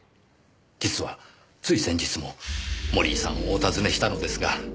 実はつい先日も森井さんをお訪ねしたのですが。